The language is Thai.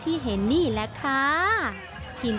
กลายเป็นประเพณีที่สืบทอดมาอย่างยาวนาน